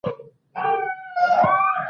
جګړه د انساني ژوند توره ورځ ده